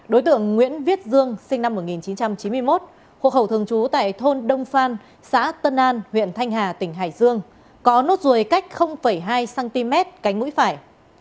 đối tượng nguyễn viết dương sinh năm một nghìn chín trăm chín mươi một hộ khẩu thường trú tại thôn đông phan xã tân an huyện thanh hà tỉnh hải dương có nốt ruồi cách hai cm cánh mũi phải